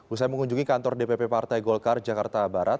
usai mengunjungi kantor dpp partai golkar jakarta barat